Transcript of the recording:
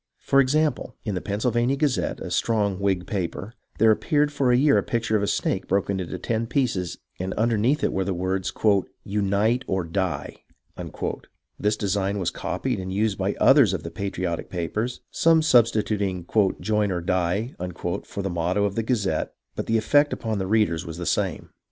For example, in the Pennsylvania Gazette, a strong Whig paper, there appeared for a year the picture of a snake broken into ten pieces, and underneath it were the words, "Unite or Die." This design was copied and used by others of the patriotic papers, some substituting "Join or Die " for the motto of the Gazette, but the effect upon the readers was the same.